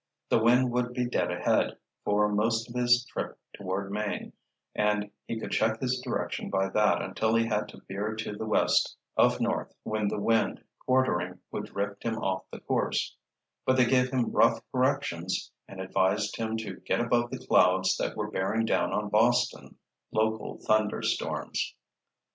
The wind would be dead ahead, for most of his trip toward Maine, and he could check his direction by that until he had to veer to the West of North, when the wind, quartering, would drift him off the course—but they gave him rough corrections, and advised him to get above the clouds that were bearing down on Boston—local thunder storms.